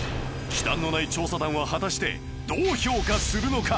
忌憚のない調査団は果たしてどう評価するのか？